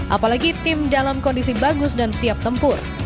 apalagi tim dalam kondisi bagus dan siap tempur